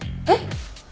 えっ？